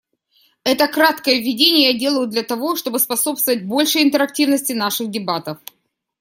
Это краткое введение я делаю для того, чтобы способствовать большей интерактивности наших дебатов.